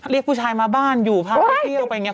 เรียกผู้ชายมาบ้านอยู่พาไปเที่ยวไปอย่างนี้